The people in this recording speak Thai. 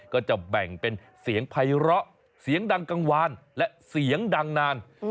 ก็จะแบ่งเป็นเสียงไพร้อเสียงดังกังวานและเสียงดังนาน